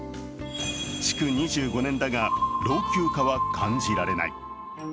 築２５年だが、老朽化は感じられない